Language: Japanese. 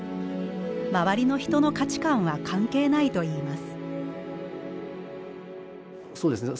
周りの人の価値観は関係ないといいます。